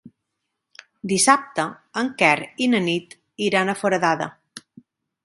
Dissabte en Quer i na Nit iran a Foradada.